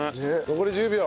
残り１０秒！